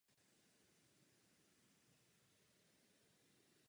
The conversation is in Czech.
Dutý kmen byl v minulosti vypálen.